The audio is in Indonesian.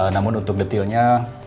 namun untuk detailnya